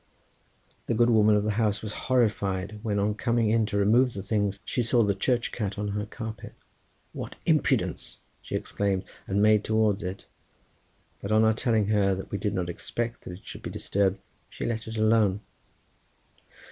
The good woman of the house was horrified when on coming in to remove the things she saw the church cat on her carpet. "What impudence!" she exclaimed, and made towards it, but on our telling her that we did not expect that it should be disturbed, she let it alone.